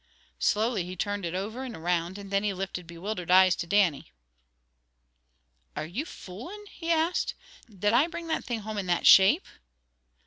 Slowly he turned it over and around, and then he lifted bewildered eyes to Dannie. "Are you foolin'?" he asked. "Did I bring that thing home in that shape?"